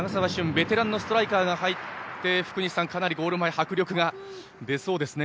ベテランのストライカーが入って福西さん、ゴール前にかなり迫力が出そうですね。